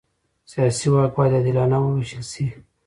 سیاسي واک باید عادلانه ووېشل شي